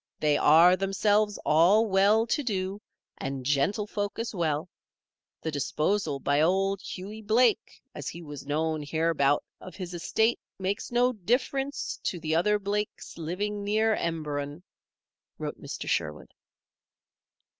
They are, themselves, all well to do, and gentlefolk as well. The disposal by Old Hughie Blake, as he was known hereabout, of his estate makes no difference to the other Blakes living near Emberon," wrote Mr. Sherwood.